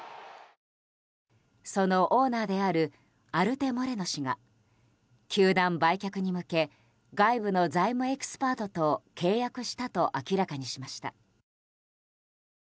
そのオーナーであるアルテ・モレノ氏が球団売却に向け外部の財務エキスパートと契約したと明らかにしました。